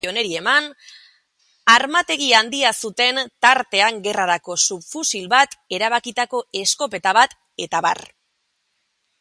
Armategi handia zuten, tartean gerrarako subfusil bat, ebakitako eskopeta bat, etab.